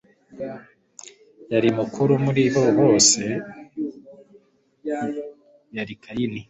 Yari mukuru muri bo bose yari Kayini